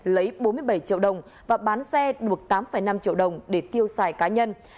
lấy bốn mươi bảy triệu đồng và bán xe buộc tám năm triệu đồng để tiêu xài cá nhân